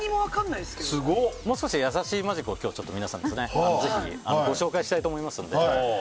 もう少し易しいマジックを今日皆さんにぜひご紹介したいと思いますので。